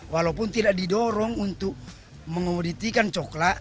walaupun tidak didorong untuk mengomoditikan coklat